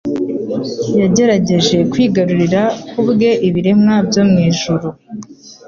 Yagerageje kwigarurira ku bwe ibiremwa byo mu ijuru,